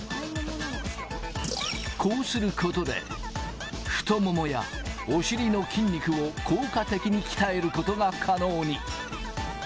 こうすることで、太ももや、お尻の筋肉を効果的に鍛えることが可能に。